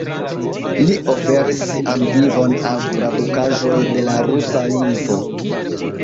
Ŝi oferis sian vivon al tradukaĵoj de la rusa lingvo.